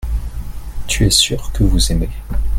tu es sûr que vous aimez.